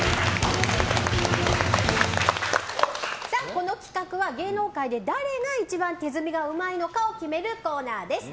この企画は芸能界で誰が一番手積みがうまいのかを決めるコーナーです。